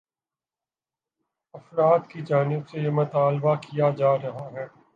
افراد کی جانب سے یہ مطالبہ کیا جا رہا ہے